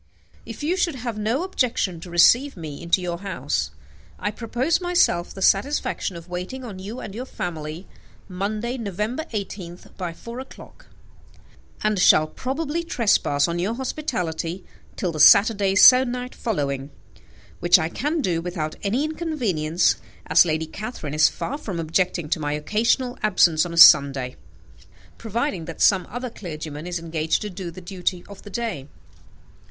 If you should have no objection to receive me into your house, I propose myself the satisfaction of waiting on you and your family, Monday, November 18th, by four o'clock, and shall probably trespass on your hospitality till the Saturday se'nnight following, which I can do without any inconvenience, as Lady Catherine is far from objecting to my occasional absence on a Sunday, provided that some other clergyman is engaged to do the duty of the day.